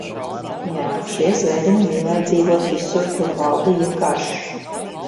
"Jā, šie "zvēriņi" mīlēja dzīvot visur, kur valdīja karš."